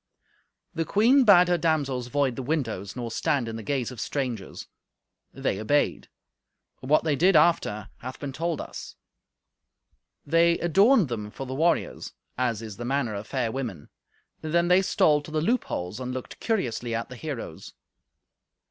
The queen bade her damsels void the windows, nor stand in the gaze of the strangers. They obeyed; but what they did after hath been told us. They adorned them for the warriors, as is the manner of fair women; then they stole to the loopholes and looked curiously at the heroes.